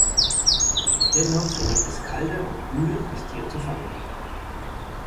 Dennoch gelingt es Calder und Uhl, das Tier zu fangen.